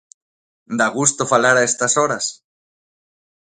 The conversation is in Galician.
Dá gusto falar a estas horas.